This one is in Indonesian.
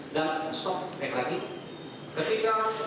dan stop baik lagi